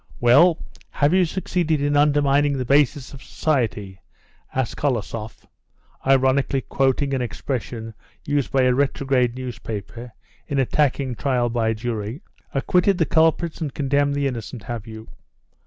"Well, have you succeeded in undermining the basis of society?" asked Kolosoff, ironically quoting an expression used by a retrograde newspaper in attacking trial by jury. "Acquitted the culprits and condemned the innocent, have you?"